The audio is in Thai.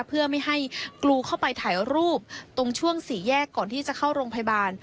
เพื่อไม่ให้กรูเข้าไปถ่ายรูปตรงช่วงสี่แยกก่อนที่จะเข้าโรงพยาบาล